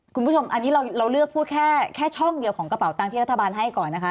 คุณผู้ชมอันนี้เราเลือกพูดแค่ช่องเดียวของกระเป๋าตังค์ที่รัฐบาลให้ก่อนนะคะ